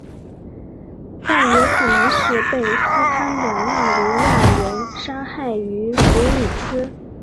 但也可能是被斯堪的纳维亚人杀害于福里斯。